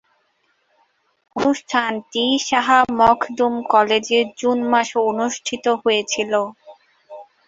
অনুষ্ঠানটি শাহ মখদুম কলেজে জুন মাসে অনুষ্ঠিত হয়েছিলো।